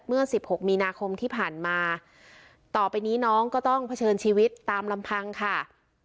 สิบหกมีนาคมที่ผ่านมาต่อไปนี้น้องก็ต้องเผชิญชีวิตตามลำพังค่ะ